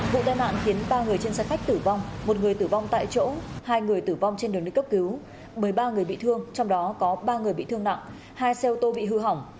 vụ tai nạn khiến ba người trên xe khách tử vong một người tử vong tại chỗ hai người tử vong trên đường đi cấp cứu một mươi ba người bị thương trong đó có ba người bị thương nặng hai xe ô tô bị hư hỏng